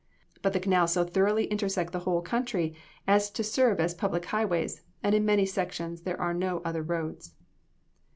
But the canals so thoroughly intersect the whole country as to serve as public highways: and in many sections there are no other roads.